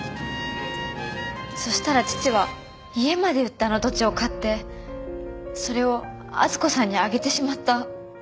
そしたら父は家まで売ってあの土地を買ってそれを温子さんにあげてしまった。